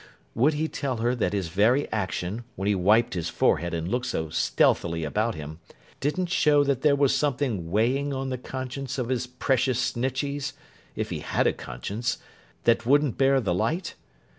Would he tell her that his very action, when he wiped his forehead and looked so stealthily about him, didn't show that there was something weighing on the conscience of his precious Snitcheys (if he had a conscience), that wouldn't bear the light?